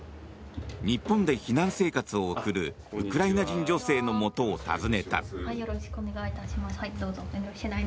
日本で避難生活を送るウクライナ人女性のもとを訪ねた。